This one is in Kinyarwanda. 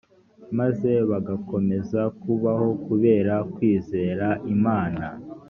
maze bagakomeza kubaho kubera kwizera imana?